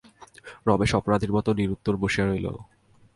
রমেশ অপরাধীর মতো নিরুত্তর বসিয়া রহিল।